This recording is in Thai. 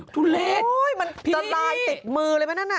ทุเลสพี่พี่มันตรายติดมือเลยไหมนั่นน่ะ